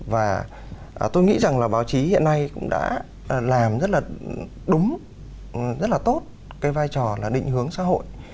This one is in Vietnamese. và tôi nghĩ rằng là báo chí hiện nay cũng đã làm rất là đúng rất là tốt cái vai trò là định hướng xã hội